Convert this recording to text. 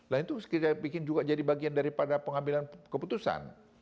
nah itu kita bikin juga jadi bagian daripada pengambilan keputusan